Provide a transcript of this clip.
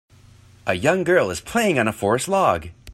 A young girl is playing on a forest log.